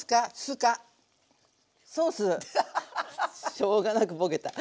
しょうがなくボケた。